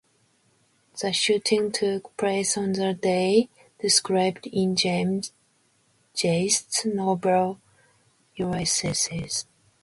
The shooting took place on the day described in James Joyce's novel "Ulysses".